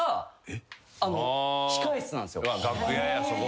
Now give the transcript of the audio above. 楽屋やそこがな。